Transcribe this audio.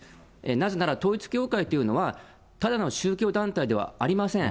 なぜなら統一教会というのはただの宗教団体ではありません。